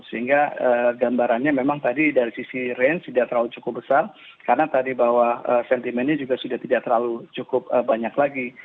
sehingga gambarannya memang tadi dari sisi range tidak terlalu cukup besar karena tadi bahwa sentimennya juga sudah tidak terlalu cukup banyak lagi